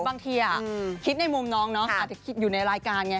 บางทีคิดในมุมน้องเนาะอาจจะคิดอยู่ในรายการไง